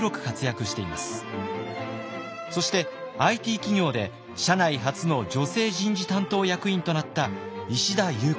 そしてＩＴ企業で社内初の女性人事担当役員となった石田裕子さん。